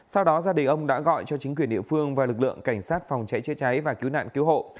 sau đó gia đình ông đã gọi cho chính quyền địa phương và lực lượng cảnh sát phòng cháy chế cháy và cứu nạn cứu hộ